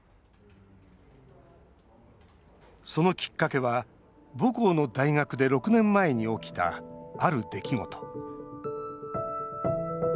そのきっかけは、母校の大学で６年前に起きた、ある出来事。